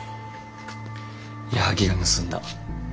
矢作が盗んだ。